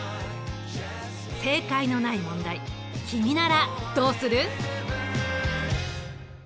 正解のない問題君ならどうする？